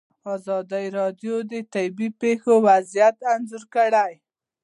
ازادي راډیو د طبیعي پېښې وضعیت انځور کړی.